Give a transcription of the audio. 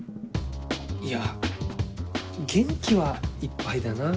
いや元気はいっぱいだなって。